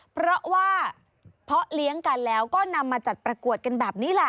เพราะว่าเพาะเลี้ยงกันแล้วก็นำมาจัดประกวดกันแบบนี้แหละ